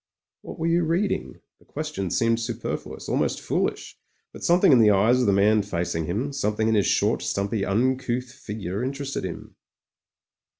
"What were you reading?" The question seemed superfluous — almost foolish ; but something in the eyes of the man facing him, something in his short, stumpy, tmcouth figure interested him.